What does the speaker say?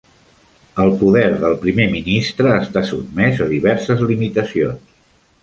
El poder del primer ministre està sotmès a diverses limitacions.